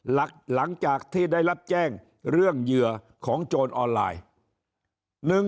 หลังจากที่ได้รับแจ้งเรื่องเหยื่อของโจรออนไลน์